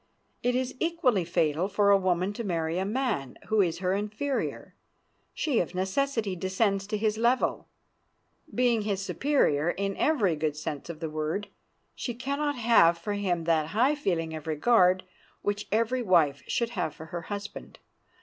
It is equally fatal for a woman to marry a man who is her inferior. She of necessity descends to his level. Being his superior in every good sense of the word, she can not have for him that high feeling of regard which every wife should have for her husband.